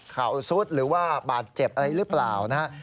ซุดหรือว่าบาดเจ็บอะไรหรือเปล่านะฮะ